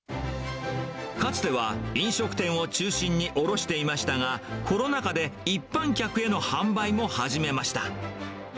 かつては飲食店を中心に卸していましたが、コロナ禍で一般客への販売も始めました。